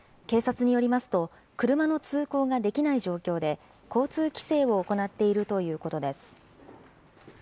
警察によりますと、車の通行ができない状況で、交通規制を行っているということです。